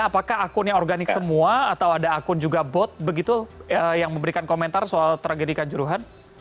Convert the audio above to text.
apakah akunnya organik semua atau ada akun juga bot begitu yang memberikan komentar soal tragedi kanjuruhan